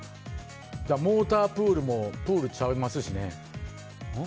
モータープールもプールちゃいますしね。